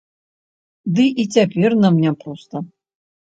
Ды і цяпер нам няпроста.